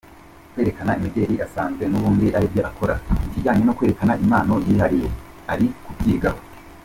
Kwerekana imideli asanzwe n’ubundi aribyo akora; ikijyanye no kwerekana impano yihariye, ari kubyigaho.